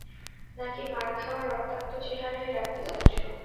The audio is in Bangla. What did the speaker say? নাকি মার খাওয়া, রক্তাক্ত চেহারাই রাখতে চাচ্ছ।